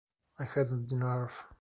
I hadn't the nerve.